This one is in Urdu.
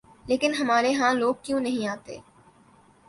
لیکن ہمارے ہاں لوگ کیوں نہیں آتے؟